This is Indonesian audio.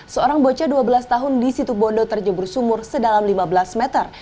seorang bocah dua belas tahun di situ bondo terjebur sumur sedalam lima belas meter